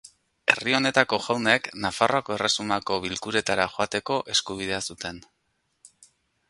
Herri honetako jaunek Nafarroako erresumako bilkuretara joateko eskubidea zuten.